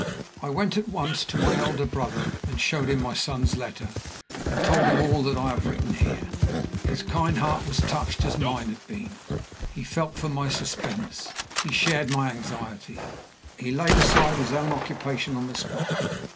I went at once to my eldest brother and showed him my son's letter, and told him all that I have written here. His kind heart was touched as mine had been. He felt for my suspense; he shared my anxiety; he laid aside his own occupation on the spot.